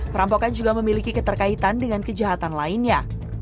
perampokan juga memiliki keterkaitan dengan kejahatan lainnya